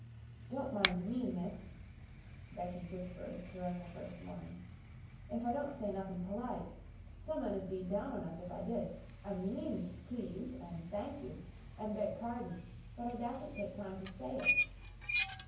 "Don't mind me, miss," Becky whispered during the first morning, "if I don't say nothin' polite. Some un'd be down on us if I did. I MEANS 'please' an' 'thank you' an' 'beg pardon,' but I dassn't to take time to say it."